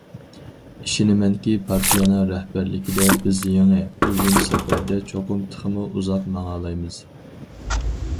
ئىشىنىمەنكى پارتىيەنىڭ رەھبەرلىكىدە بىز يېڭى ئۇزۇن سەپەردە چوقۇم تېخىمۇ ئۇزاق ماڭالايمىز.